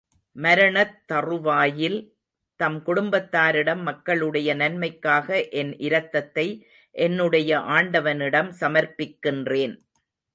மரணத் தறுவாயில், தம் குடும்பத்தாரிடம், மக்களுடைய நன்மைக்காக என் இரத்தத்தை, என்னுடைய ஆண்டவனிடம் சமர்ப்பிக்கின்றேன்.